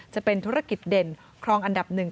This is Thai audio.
จะเป็นธุรกิจเด่นครองอันดับหนึ่ง